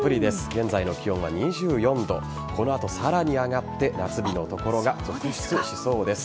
現在の気温は２４度この後、さらに上がって夏日の所が続出しそうです。